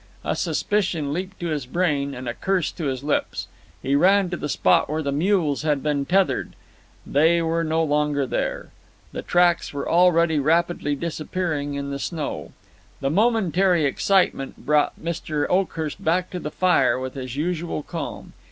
A suspicion leaped to his brain and a curse to his lips. He ran to the spot where the mules had been tethered; they were no longer there. The tracks were already rapidly disappearing in the snow. The momentary excitement brought Mr. Oakhurst back to the fire with his usual calm.